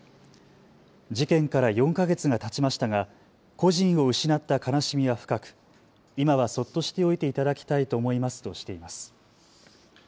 事件から４か月がたちましたが故人を失った悲しみは深く今はそっとしておいていただきたいと思いますとしています。